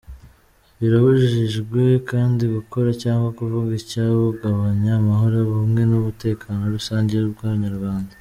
Birabujijwe kandi gukora cyangwa kuvuga icyahungabanya amahoro, ubumwe n’umutekano rusange by’Abanyarwanda.